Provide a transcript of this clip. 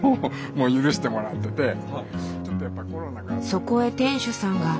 そこへ店主さんが。